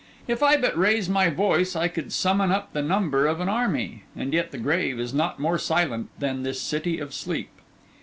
If I but raise my voice I could summon up the number of an army, and yet the grave is not more silent than this city of sleep.